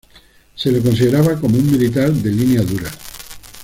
Se le consideraba como un militar de línea dura.